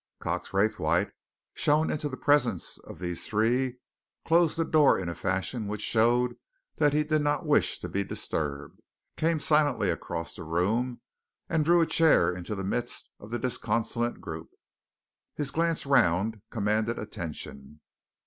Cox Raythwaite, shown into the presence of these three, closed the door in a fashion which showed that he did not wish to be disturbed, came silently across the room, and drew a chair into the midst of the disconsolate group. His glance round commanded attention.